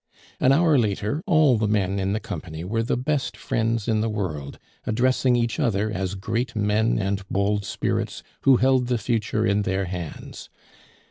An hour later, all the men in the company were the best friends in the world, addressing each other as great men and bold spirits, who held the future in their hands.